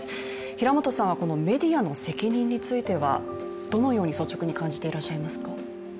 平本さんはメディアの責任についてはどのように率直に感じていますか？